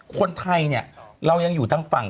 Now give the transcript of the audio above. คนไทยเนี่ยเรายังอยู่ทางฝั่ง